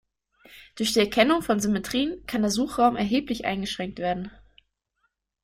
Durch die Erkennung von Symmetrien kann der Suchraum erheblich eingeschränkt werden.